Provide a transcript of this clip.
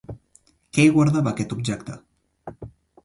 Què hi guardava aquest objecte?